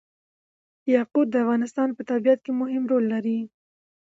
یاقوت د افغانستان په طبیعت کې مهم رول لري.